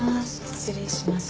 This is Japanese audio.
失礼します。